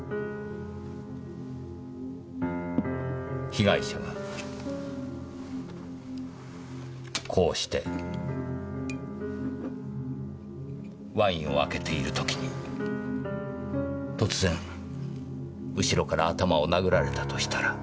被害者がこうしてワインを開けている時に突然後ろから頭を殴られたとしたら。